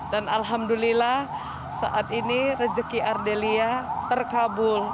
dan alhamdulillah saat ini rejeki ardelia terkabul